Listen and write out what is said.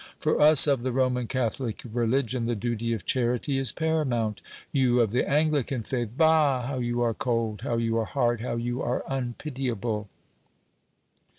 For us of the Roman Catholic religion the duty of charity is paramount. You of the Anglican faith bah, how you are cold, how you are hard, how you are unpitiable!